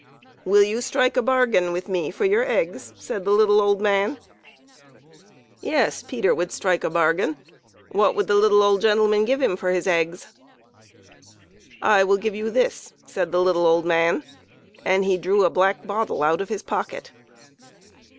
" Will you strike a bargain with me for your eggs ?" said the little old man. Yes, Peter would strike a bargain ; what would the little gentleman give him for his eggs ? "I will give you this," said the little old man, and he drew a black bottle out of his pocket.